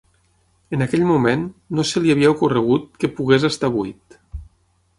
En aquell moment, no se li havia ocorregut que pogués estar buit.